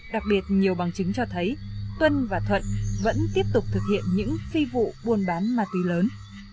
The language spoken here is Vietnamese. đặc biệt nhiều bằng chứng cho thấy tuân và thuận vẫn tiếp tục thực hiện những phi vụ buôn bán ma túy lớn